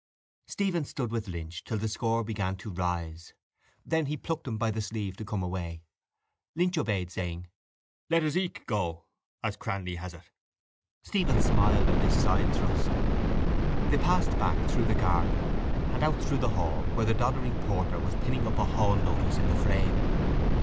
Stephen stood with Lynch till the score began to rise. Then he plucked him by the sleeve to come away. Lynch obeyed, saying: —Let us eke go, as Cranly has it. Stephen smiled at this sidethrust. They passed back through the garden and out through the hall where the doddering porter was pinning up a hall notice in the frame.